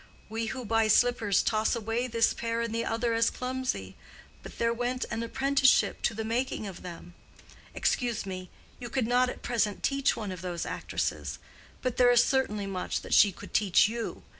We who buy slippers toss away this pair and the other as clumsy; but there went an apprenticeship to the making of them. Excuse me; you could not at present teach one of those actresses; but there is certainly much that she could teach you.